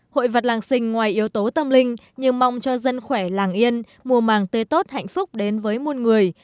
hội vật làng sình ngoài yếu tố tâm linh nhưng mong cho dân khỏe làng yên mùa màng tê tốt hạnh phúc đến với muôn người